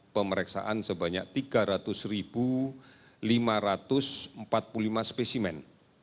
pemeriksaan sebanyak tiga ratus lima ratus empat puluh lima spesimen